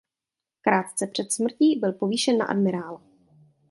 Krátce před smrtí byl povýšen na admirála.